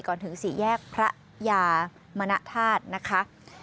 ถึงสี่แยกพระยามณธาตุนะคะ